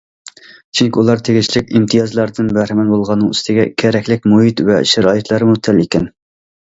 چۈنكى ئۇلار تېگىشلىك ئىمتىيازلاردىن بەھرىمەن بولغاننىڭ ئۈستىگە، كېرەكلىك مۇھىت ۋە شارائىتلارمۇ تەل ئىكەن.